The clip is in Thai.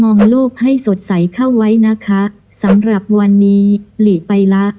มองโลกให้สดใสเข้าไว้นะคะสำหรับวันนี้หลีไปละ